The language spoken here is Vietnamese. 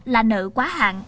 là nợ quá hạn